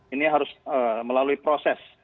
ini harus melalui proses